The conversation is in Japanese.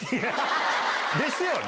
ですよね！